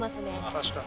確かに。